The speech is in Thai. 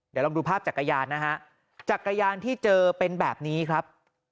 เดี๋ยวลองดูภาพจักรยานนะฮะจักรยานที่เจอเป็นแบบนี้ครับ